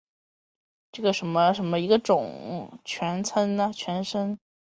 拳参为蓼科春蓼属下的一个种。